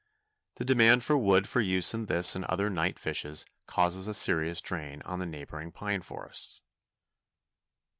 The demand for wood for use in this and other night fisheries causes a serious drain on the neighboring pine forests.